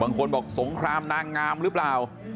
บางคนบอกสงครามนางงามหรือเปล่า